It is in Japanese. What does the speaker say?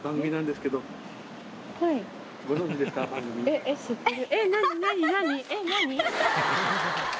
えっ知ってる。